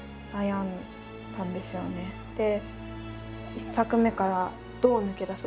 １作目からどう抜け出そう。